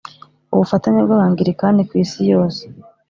ubufatanye bw Abangilikani ku isi yose